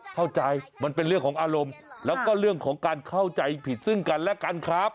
เข้าใจมันเป็นเรื่องของอารมณ์แล้วก็เรื่องของการเข้าใจผิดซึ่งกันและกันครับ